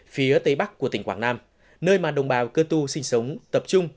phía tây bắc của tỉnh quảng nam nơi mà đồng bào cơ tu sinh sống tập trung